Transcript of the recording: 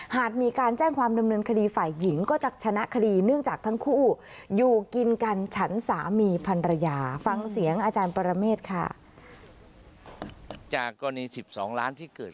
หาดมีการแจ้งความดำเนินคดีฝ่ายหญิงก็จักฉีณะคดี